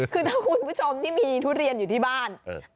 คือถ้าคุณผู้ชมที่มีทุเรียนอยู่ที่บ้าน